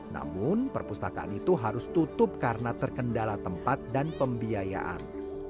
namun perpustakaan itu harus tutup karena terkendala tempat dan pembiayaan